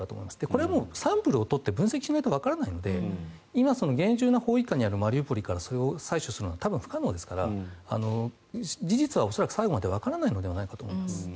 これはもう、サンプルを採って分析しないとわからないので今、厳重な包囲下にあるマリウポリからそれを採取するのは多分不可能ですから事実は最後までわからないのではないかと思います。